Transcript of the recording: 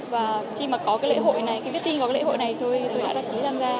và khi mà có cái lễ hội này cái viết tin có cái lễ hội này tôi đã đặt ký tham gia